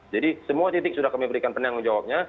jadi semua titik sudah kami berikan penang jawabnya